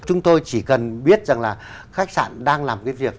chúng tôi chỉ cần biết rằng là khách sạn đang làm cái việc